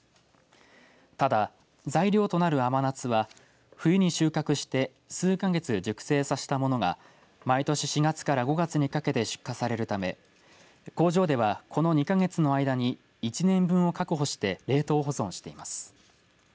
ただ、材料となる甘夏は冬に収穫して数か月熟成させたものが毎年４月から５月にかけて出荷されるため工場ではこの２か月の間に１年分を確保して冷凍保存しています。